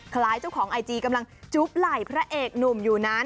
คล้ายเจ้าของไอจีกำลังจุ๊บไหล่พระเอกหนุ่มอยู่นั้น